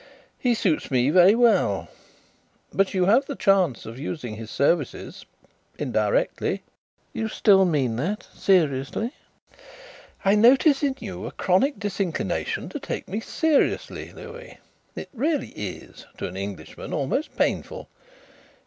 "He suits me very well. But you have the chance of using his services indirectly." "You still mean that seriously?" "I notice in you a chronic disinclination to take me seriously, Louis. It is really to an Englishman almost painful.